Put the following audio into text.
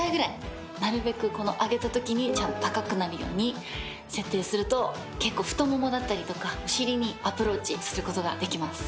なるべくこの上げたときにちゃんと高くなるように設定すると結構太ももだったりとかお尻にアプローチすることができます。